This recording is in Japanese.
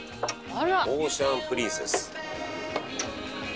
「オーシャンプリンセス」